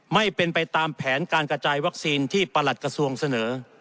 ไม่เป็นไปตามแผนการกระจายวัคซีนที่ประหลัดกระทรวงเสนอ